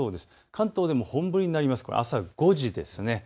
関東でも本降りになりますから、朝５時です。